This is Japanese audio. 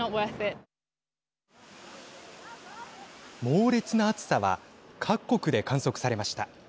猛烈な暑さは各国で観測されました。